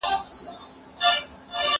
زه به سبا د سبا لپاره د يادښتونه ترتيب کړم؟!